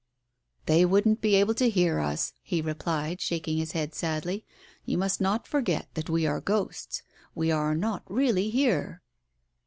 "They wouldn't be able to hear us," he replied, shaking his head sadly. " You must not forget that we are ghosts. We are not really here."